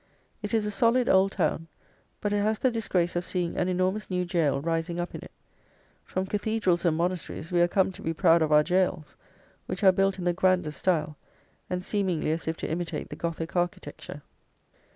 It is a solid old town; but it has the disgrace of seeing an enormous new jail rising up in it. From cathedrals and monasteries we are come to be proud of our jails, which are built in the grandest style, and seemingly as if to imitate the Gothic architecture.